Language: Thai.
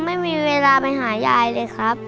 ไม่มีเวลาไปหายายเลยครับ